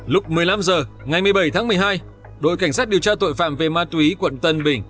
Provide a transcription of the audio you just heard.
lúc một mươi năm h ngày một mươi bảy tháng một mươi hai đội cảnh sát điều tra tội phạm về ma túy quận tân bình